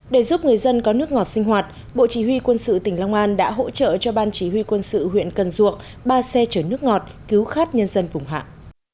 để giúp người dân có nước ngọt sinh hoạt bộ chỉ huy quân sự tỉnh long an đã hỗ trợ cho ban chỉ huy quân sự huyện cần duộng ba xe chở nước ngọt cứu khát nhân dân vùng hạ